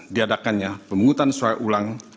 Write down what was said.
diadakannya pemungutan suara ulang